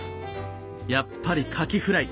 やっぱりカキフライ！